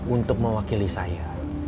untuk mewakili saya